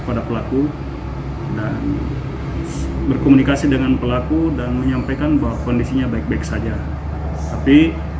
pada pelaku dan berkomunikasi dengan pelaku dan menyampaikan bahwa kondisinya baik baik saja tapi